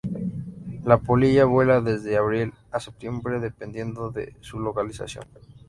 La polilla vuela desde abril a septiembre dependiendo de su localización.